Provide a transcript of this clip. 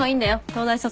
東大卒。